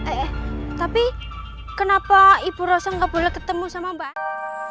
eh tapi kenapa ibu rasa gak boleh ketemu sama mbak